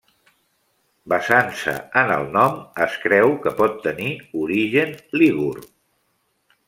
Basant-se en el nom, es creu que pot tenir origen lígur.